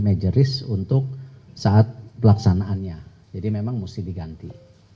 majoris untuk saat pelaksanaannya jadi memang mesti diganti